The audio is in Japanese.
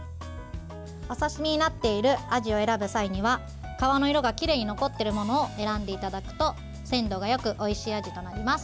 お刺身になっているあじを選ぶ際には、皮の色がきれいに残っているものを選んでいただくと鮮度がよくおいしいあじとなります。